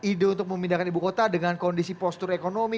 ide untuk memindahkan ibu kota dengan kondisi postur ekonomi